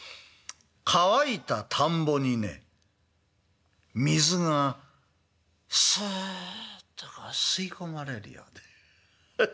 乾いた田んぼにね水がスッとこう吸い込まれるようでヘッ。